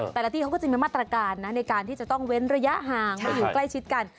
แต่ละที่เขาก็จะมีมาตรการนะในการที่จะต้องเว้นระยะห่างมาอยู่ใกล้ชิดกัน